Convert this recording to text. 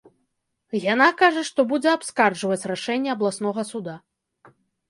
Яна кажа, што будзе абскарджваць рашэнне абласнога суда.